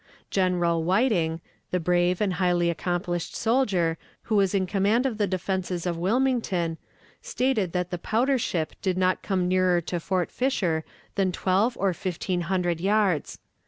General Whiting, the brave and highly accomplished soldier, who was in command of the defenses of Wilmington, stated that the powder ship did not come nearer to Fort Fisher than twelve or fifteen hundred yards.